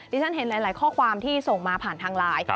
ที่ฉันเห็นหลายข้อความที่ส่งมาผ่านทางไลน์